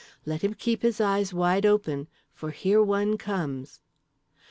Let him keep his eyes wide open, for here one comes….